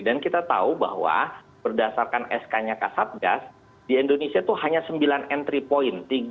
dan kita tahu bahwa berdasarkan sknya kak satgas di indonesia itu hanya sembilan entry point